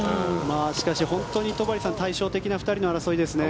しかし、本当に戸張さん対照的な２人の争いですね。